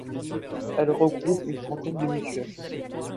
Elle regroupe une trentaine de mutuelles.